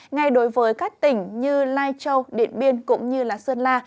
ngay đối với các tỉnh như lai châu điện biên cũng như sơn la